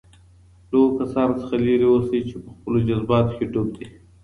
له هغو کسانو څخه لرې اوسئ چي په خپلو جذباتو کي ډوب دي.